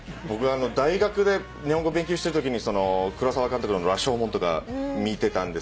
大学で日本語勉強してるときに黒澤監督の『羅生門』とか見てたんですけど。